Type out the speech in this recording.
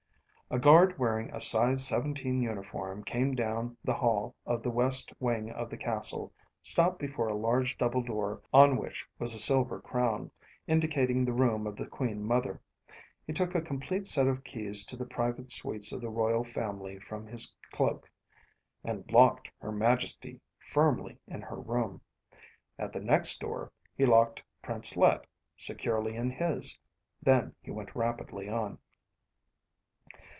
A guard wearing a size seventeen uniform came down the hall of the west wing of the castle, stopped before a large double door on which was a silver crown, indicating the room of the Queen Mother; he took a complete set of keys to the private suites of the royal family from his cloak, and locked her Majesty firmly in her room. At the next door, he locked Prince Let securely in his. Then he went rapidly on.